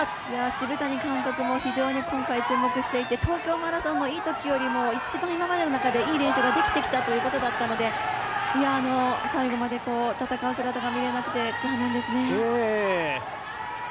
澁谷監督も今回、非常に注目をしていて東京マラソンのいいときよりも、一番今までの中でいい練習ができてきたということだったので、最後まで戦う姿が見れなくて残念ですね。